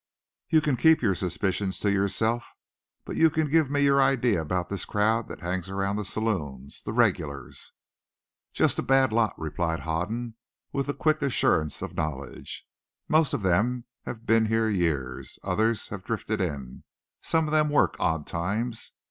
"You can keep your suspicions to yourself. But you can give me your idea about this crowd that hangs round the saloons, the regulars." "Jest a bad lot," replied Hoden, with the quick assurance of knowledge. "Most of them have been here years. Others have drifted in. Some of them work odd times.